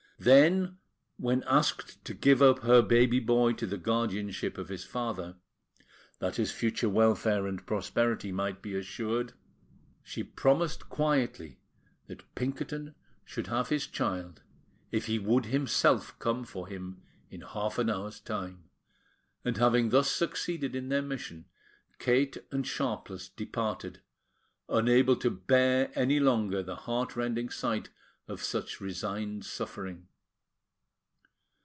Then, when asked to give up her baby boy to the guardianship of his father, that his future welfare and prosperity might be assured, she promised quietly that Pinkerton should have his child if he would himself come for him in half an hour's time; and having thus succeeded in their mission, Kate and Sharpless departed, unable to bear any longer the heart rending sight of such resigned suffering.